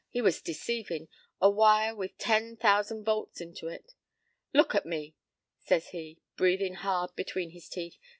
He was deceivin'. A wire with ten thousand volts into it. "'Look at me!' says he, breathin' hard between his teeth.